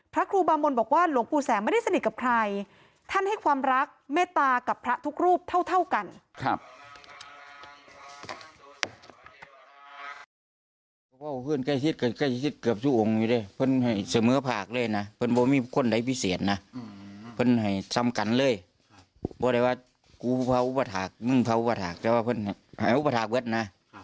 พระครูบามนบอกว่าหลวงปู่แสงไม่ได้สนิทกับใครท่านให้ความรักเมตตากับพระทุกรูปเท่ากัน